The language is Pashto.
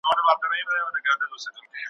یوه ځوان وو په خپل کور کي سپی ساتلی ,